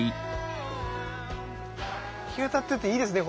日当たってていいですね